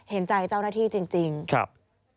เห็นใจเจ้าหน้าที่จริงครับ